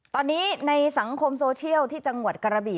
ตอนนี้ในสังคมโซเชียลที่จังหวัดกระบี่